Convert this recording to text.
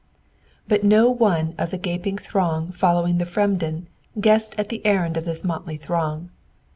But no one of the gaping throng following the "fremden" guessed at the errand of this motley throng.